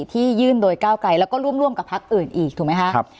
ที่ยื่นโดยก้าวไกลแล้วก็ร่วมกับพักอื่นอีกถูกไหมคะ